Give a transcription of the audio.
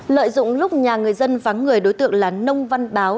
lợi dụng lúc nhà người dân vắng người đối tượng là nông văn báo